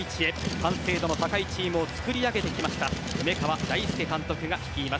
完成度の高いチームを作り上げてきました梅川大介監督が率います。